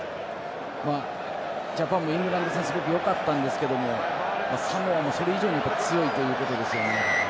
ジャパンもイングランド戦すごくよかったんですけどサモアも、それ以上に強いということですね。